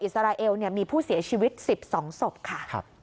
เสียชีวิต๑๒ศพค่ะ